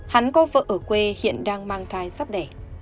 hắn có vợ ở quê hiện đang mang thai sắp đẻ